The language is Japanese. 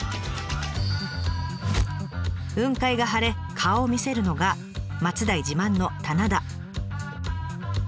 雲海が晴れ顔を見せるのが松代自慢の棚田。